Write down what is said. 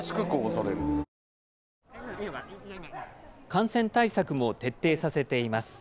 感染対策も徹底させています。